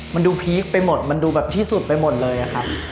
มันดูพีคไปหมดมันดูแบบที่สุดไปหมดเลยอะครับ